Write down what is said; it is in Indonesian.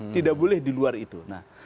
tidak boleh di luar itu